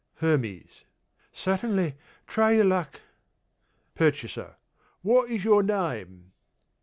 HERMES: Certainly; try your luck. PURCHASER: What is your name?